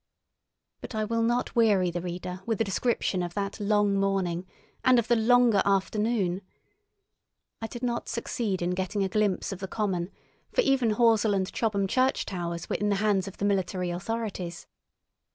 But I will not weary the reader with a description of that long morning and of the longer afternoon. I did not succeed in getting a glimpse of the common, for even Horsell and Chobham church towers were in the hands of the military authorities.